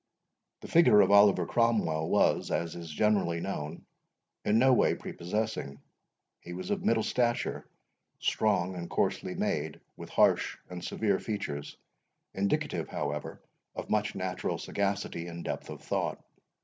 The figure of Oliver Cromwell was, as is generally known, in no way prepossessing. He was of middle stature, strong and coarsely made, with harsh and severe features, indicative, however, of much natural sagacity and depth of thought.